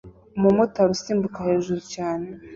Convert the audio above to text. Umumotari usimbuka hejuru cyane